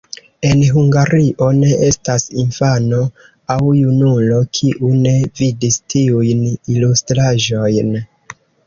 En Hungario ne estas infano aŭ junulo, kiu ne vidis tiujn ilustraĵojn.